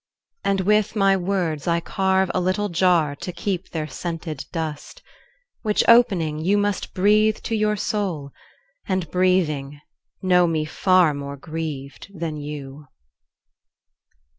And with my words I carve a little jar To keep their scented dust, Which, opening, you must Breathe to your soul, and, breathing, know me far More grieved than you.